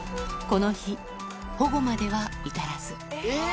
この日、保護までは至らず。